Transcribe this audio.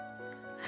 yesi janda kaya